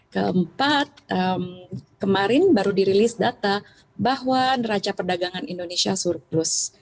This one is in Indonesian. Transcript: keempat kemarin baru dirilis data bahwa neraca perdagangan indonesia surplus